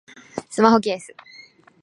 スマホケース